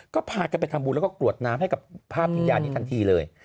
ก็พากันไปทำบุญแล้วก็กรวดน้ำให้กับภาพวิญญาณนี้ทันทีเลย